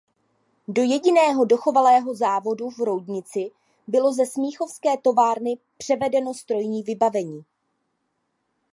Do jediného dochovaného závodu v Roudnici bylo ze smíchovské továrny převedeno strojní vybavení.